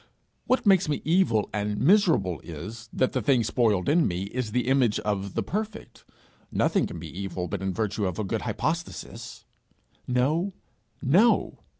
What makes me evil and miserable is, that the thing spoiled in me is the image of the Perfect. Nothing can be evil but in virtue of a good hypostasis. No, no!